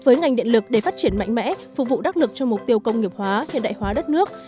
với ngành điện lực để phát triển mạnh mẽ phục vụ đắc lực cho mục tiêu công nghiệp hóa hiện đại hóa đất nước